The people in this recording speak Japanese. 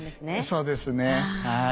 そうですねはい。